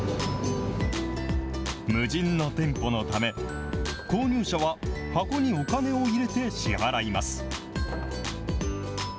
無人の店舗のため、購入者は箱にお金を入れて、支払います。